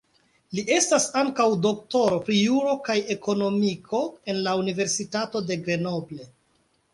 Il estas ankaŭ doktoro pri juro kaj ekonomiko en la Universitato de Grenoble.